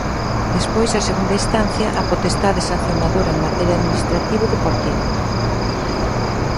Despois a segunda instancia, a potestade sancionadora en materia administrativo-deportiva.